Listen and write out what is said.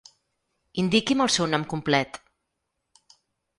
Indiqui'm el seu nom complet.